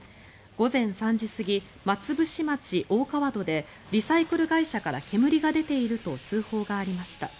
午前３時過ぎ松伏町大川戸でリサイクル会社から煙が出ていると通報がありました。